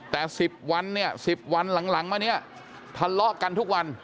แต่สิบวันหลังมานี้ทะเลาะกันทุกวัน